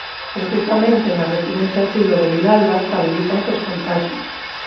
Precisamente na residencia asilo de Vilalba estabilízanse os contaxios.